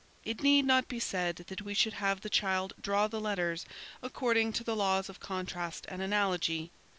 It need not be said that we should have the child draw the letters according to the laws of contrast and analogy.